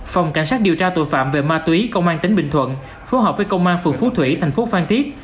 phòng cảnh sát điều tra tội phạm về ma túy công an tỉnh bình thuận phù hợp với công an phường phú thủy thành phố phan thiết